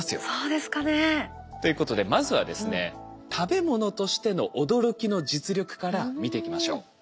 そうですかね。ということでまずはですね食べ物としての驚きの実力から見ていきましょう。